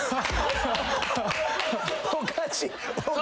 おかしい。